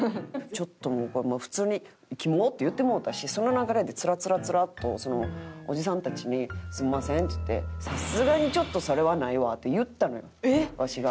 ちょっともう普通に「キモッ！」って言ってもうたしその流れでつらつらつらっとおじさんたちに「すみません」っつって「さすがにそれはないわ」って言ったのよわしが。